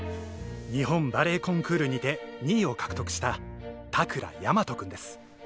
日本バレエコンクールにて２位を獲得した田倉大和君です。